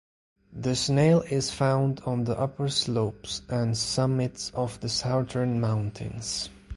The snail is found on the upper slopes and summits of the southern mountains.